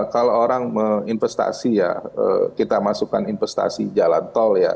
kalau orang investasi ya kita masukkan investasi jalan tol ya